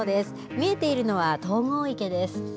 見えているのは東郷池です。